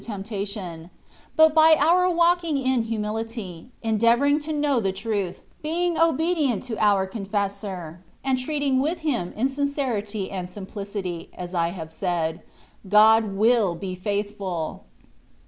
temptation : but by our walking in humility, en deavouring to know the truth, being obedient to our confessor, and treating with him in sincerity and simplicity (as I have said), God will be faithful.